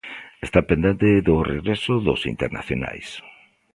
Está pendente do regreso dos internacionais.